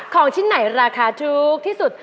ของชิ้นไหนราคาถูกที่สุด